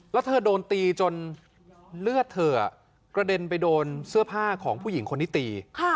แล้วเธอโดนตีจนเลือดเธอกระเด็นไปโดนเสื้อผ้าของผู้หญิงคนที่ตี